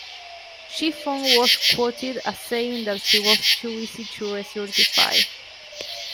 Chief Fong was quoted as saying that she was too busy to recertify.